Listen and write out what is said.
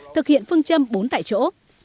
thực hiện phương châm bốn tại chỗ